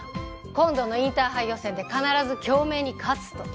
今度のインターハイ予選で必ず京明に勝つと。